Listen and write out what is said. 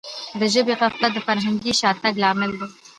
د ژبي غفلت د فرهنګي شاتګ لامل دی.